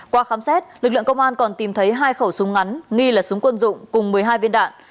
qua khám xét lực lượng công an còn tìm thấy hai khẩu súng ngắn nghi là súng quân dụng cùng một mươi hai viên đạn